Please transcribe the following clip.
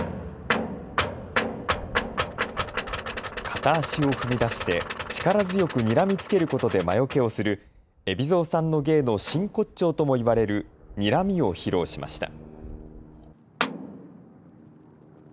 片足を踏み出して力強くにらみつけることで魔よけをする海老蔵さんの芸の真骨頂とも言われる、にらみを披露しました。